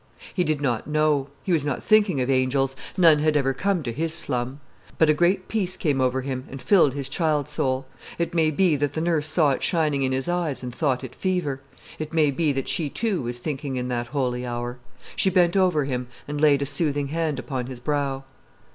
He did not know. He was not thinking of angels; none had ever come to his slum. But a great peace came over him and filled his child soul. It may be that the nurse saw it shining in his eyes and thought it fever. It may be that she, too, was thinking in that holy hour. She bent over him and laid a soothing hand upon his brow.